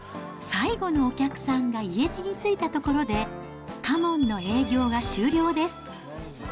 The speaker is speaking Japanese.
最後のお客さんが家路に就いたところで、花門の営業が終了です。